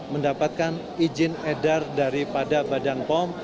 mendapatkan izin edar daripada badan pom